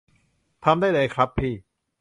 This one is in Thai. ทำได้เลยครับพี่